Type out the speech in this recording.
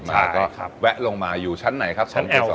มาก็แวะลงมาอยู่ชั้นไหนครับ